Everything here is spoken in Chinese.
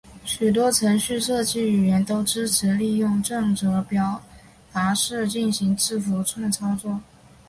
许多程序设计语言都支持利用正则表达式进行字符串操作。